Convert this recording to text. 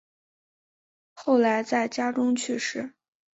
后来在家中去世。